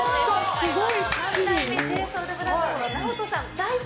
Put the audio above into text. すごーい！